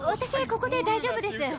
ここで大丈夫です。